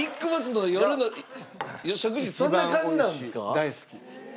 大好き。